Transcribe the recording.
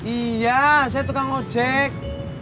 iya saya tukang ojek